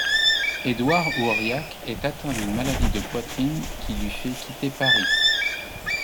Édouard Ourliac est atteint d'une maladie de poitrine, qui lui fait quitter Paris.